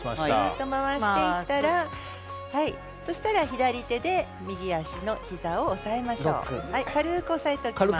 回していったら左手で右足の膝を押さえましょう。